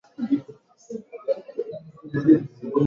karibu sawa na walivyofanya Waarabu Waislamu